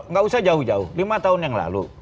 nggak usah jauh jauh lima tahun yang lalu